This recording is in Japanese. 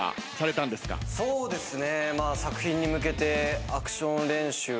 そうですね。